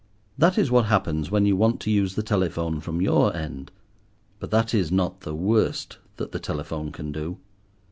That is what happens when you want to use the telephone from your end. But that is not the worst that the telephone can do.